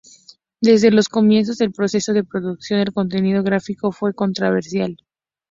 Desde los comienzos del proceso de producción, el contenido gráfico fue controversial.